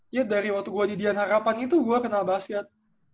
iya dari waktu gue di dian harapan itu gue kenal basket